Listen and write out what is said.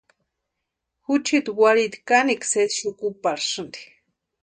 Juchiti warhiti kanekwa sésï xukuparhasïnti.